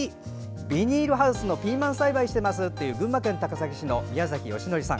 ビニールハウスのピーマン栽培をしていますという群馬県高崎市の宮崎美伯さん。